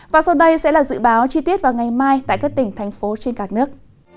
và sau đây sẽ là dự báo chi tiết vào ngày mai tại các tỉnh thành phố trên cả nước